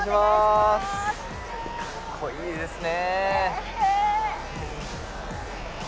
かっこいいですね。